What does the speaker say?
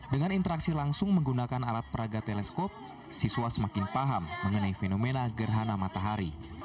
dengan interaksi langsung menggunakan alat peraga teleskop siswa semakin paham mengenai fenomena gerhana matahari